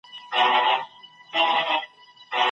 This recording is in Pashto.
کمپيوټر واکسين جوړوي.